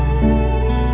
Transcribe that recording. aku mau ke sana